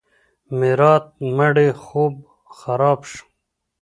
میرات مړی خوب خراب شو.